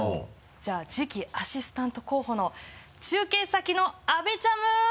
じゃあ次期アシスタント候補の中継先のあべちゃむ！